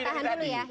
tahan dulu ya